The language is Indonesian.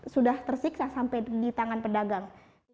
sudah tersiksa sampai di tangan pedagang